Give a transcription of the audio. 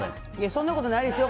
そんなことないですよ